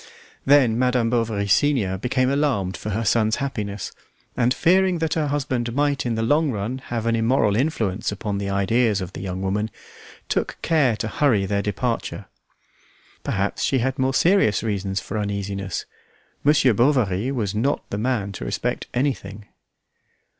Then Madame Bovary, senior, became alarmed for her son's happiness, and fearing that her husband might in the long run have an immoral influence upon the ideas of the young woman, took care to hurry their departure. Perhaps she had more serious reasons for uneasiness. Monsieur Bovary was not the man to respect anything.